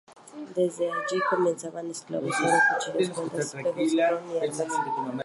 Desde allí comerciaban esclavos, oro, cuchillos, cuentas, espejos, ron y armas.